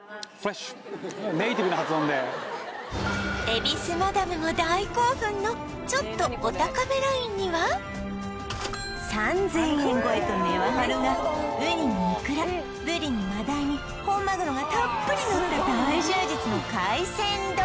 恵比寿マダムも大興奮のちょっとお高めラインには３０００円超えと値は張るがウニにイクラブリに真鯛に本マグロがたっぷりのった大充実の海鮮丼